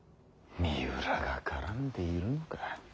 三浦が絡んでいるのか。